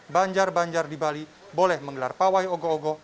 banjar banjar di bali boleh menggelar pawai ogoh ogoh